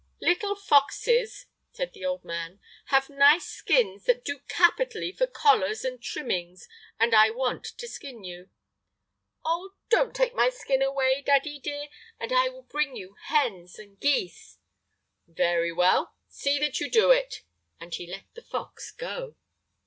"Little foxes," said the old man, "have nice skins that do capitally for collars and trimmings, and I want to skin you!" "Oh! Don't take my skin away, daddy dear, and I will bring you hens and geese." "Very well, see that you do it!" and he let the fox go.